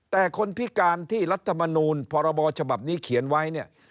แต่คนพิการที่รัฐมนูลพรบฉบับนี้เขียนไว้เนี่ย